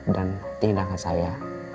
dan tindakan saya